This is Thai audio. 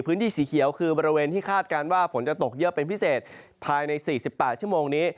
พื้นที่สีเขียวคือบริเวณที่คาดการณ์ว่าฝนจะตกเยอะเป็นพิเศษภายใน๔๘ชั่วโมงนี้